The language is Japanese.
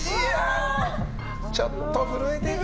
ちょっと震えている。